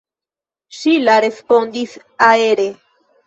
Ŝila respondis aere.